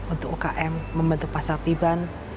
ke bawah untuk ukm membentuk pasaktiban